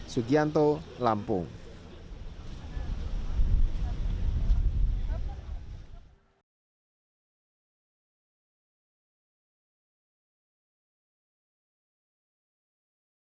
pertanyaan terakhir bagaimana cara membuat mobil tersebut berhasil